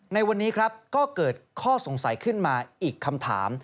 ในวันนี้ครับก็เกิดข้อสงสัยขึ้นมาอีกคำถาม